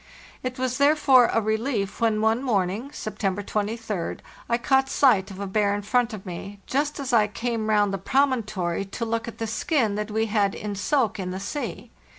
It was therefore a relief when one morning (September 23d) I caught sight of a bear in front of me, just as I came round the promon tory to look at the skin that we had in soak in the sea.